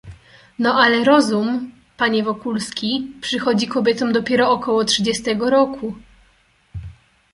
"No, ale rozum, panie Wokulski, przychodzi kobietom dopiero około trzydziestego roku..."